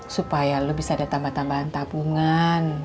supaya elu bisa ada tambahan tambahan tabungan